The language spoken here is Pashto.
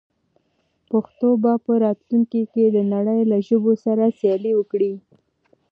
پښتو به په راتلونکي کې د نړۍ له ژبو سره سیالي وکړي.